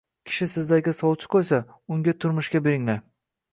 kishi sizlarga sovchi qoʻysa, unga turmushga beringlar.